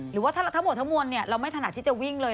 หรือว่าถ้าหมวดเท่าหมวนเราไม่ถนัดที่จะวิ่งเลย